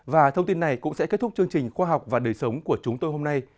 và thông tin này cũng sẽ kết thúc chương trình khoa học và đời sống của chúng tôi hôm nay